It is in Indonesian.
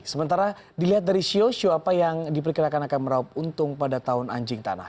sementara dilihat dari show show apa yang diperkirakan akan meraup untung pada tahun anjing tanah